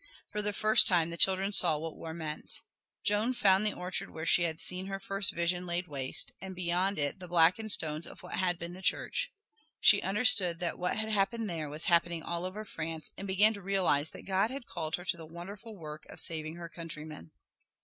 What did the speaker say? For the first time the children saw what war meant. Joan found the orchard where she had seen her first vision laid waste, and beyond it the blackened stones of what had been the church. She understood that what had happened there was happening all over France and began to realize that God had called her to the wonderful work of saving her countrymen.